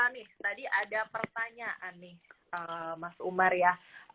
nih tadi ada pertanyaan nih mas umar ya